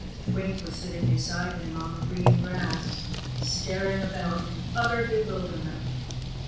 Twink was sitting beside him on the green grass, staring about in utter bewilderment.